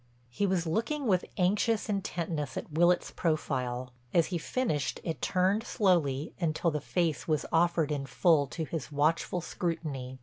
He was looking with anxious intentness at Willitts' profile. As he finished it turned slowly, until the face was offered in full to his watchful scrutiny.